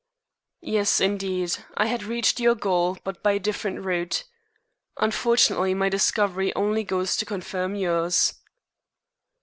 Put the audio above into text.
"Yes, indeed. I had reached your goal, but by a different route. Unfortunately, my discovery only goes to confirm yours."